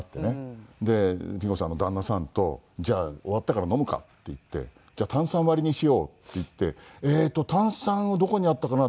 でピン子さんの旦那さんと「じゃあ終わったから飲むか？」って言って「じゃあ炭酸割りにしよう」って言って「えっと炭酸はどこにあったかな？」